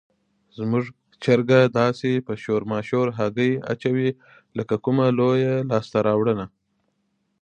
زموږ چرګه داسې په شور ماشور هګۍ اچوي لکه کومه لویه لاسته راوړنه.